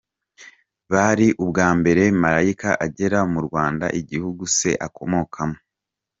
Bwari ubwa mbere Malaika agera mu Rwanda, igihugu se akomokamo.